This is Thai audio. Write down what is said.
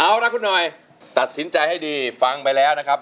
เอาล่ะคุณหน่อยตัดสินใจให้ดีฟังไปแล้วนะครับ